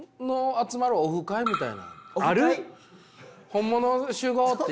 本物集合っていう。